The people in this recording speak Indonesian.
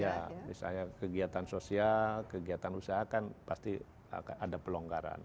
ya misalnya kegiatan sosial kegiatan usaha kan pasti akan ada pelonggaran